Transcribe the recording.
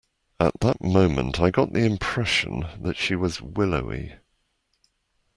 At that moment I got the impression that she was willowy.